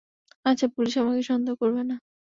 আচ্ছা, পুলিশ আমাকে সন্দেহ করবে না।